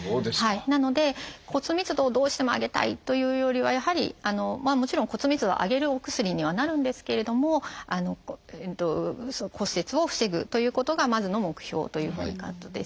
なので骨密度をどうしても上げたいというよりはやはりもちろん骨密度を上げるお薬にはなるんですけれども骨折を防ぐということがまずの目標ということになるんですね。